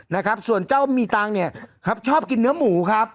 นะครับส่วนเจ้ามีตังค์เนี่ยครับชอบกินเนื้อหมูครับ